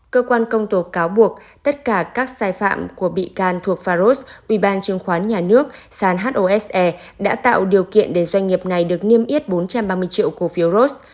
cơ quan công tục cáo buộc tất cả các sai phạm của bị can thuộc faros ubnd sàn hose đã tạo điều kiện để doanh nghiệp này được niêm yết bốn trăm ba mươi triệu cổ phiếu ros